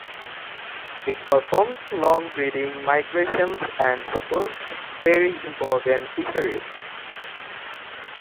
It performs long breeding migrations and supports very important fisheries.